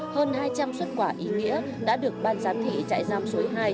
hơn hai trăm linh xuất quả ý nghĩa đã được ban giám thị trại giam số hai